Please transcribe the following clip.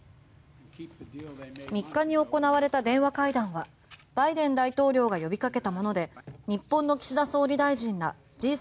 ３日に行われた電話会談はバイデン大統領が呼びかけたもので日本の岸田総理大臣らＧ７